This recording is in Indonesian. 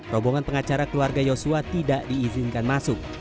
rombongan pengacara keluarga yosua tidak diizinkan masuk